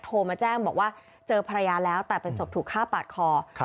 โทรมาแจ้งบอกว่าเจอภรรยาแล้วแต่เป็นศพถูกฆ่าปาดคอครับ